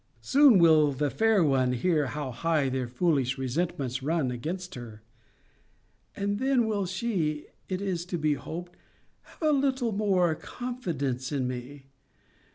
Soon will the fair one hear how high their foolish resentments run against her: and then will she, it is to be hoped, have a little more confidence in me.